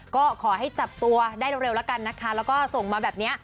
ก็ขอให้จับตัวได้เร็วแล้วก็ส่งมาแบบนี้